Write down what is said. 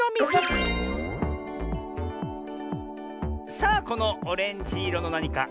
さあこのオレンジいろのなにかね